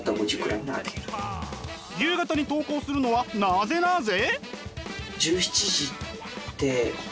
夕方に投稿するのはなぜなぜ？